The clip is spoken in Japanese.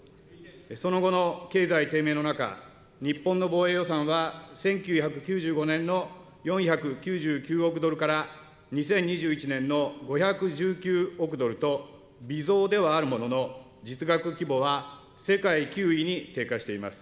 その後の経済低迷の中、日本の防衛予算は１９９５年の４９９億ドルから２０２１年の５１９億ドルと、微増ではあるものの、実額規模は世界９位に低下しています。